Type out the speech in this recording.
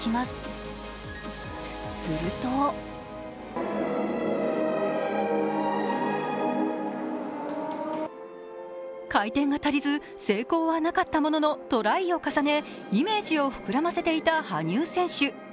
すると回転が足りず成功はなかったもののトライを重ねイメージを膨らませていた羽生選手。